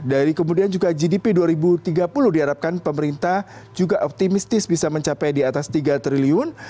dari kemudian juga gdp dua ribu tiga puluh diharapkan pemerintah juga optimistis bisa mencapai di atas tiga triliun